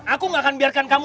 aku gak akan biarkan kamu